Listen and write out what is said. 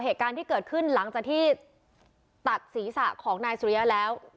เหตุการณ์ที่เกิดขึ้นหลังจากที่ตัดศีรษะของนายสุริยะแล้ว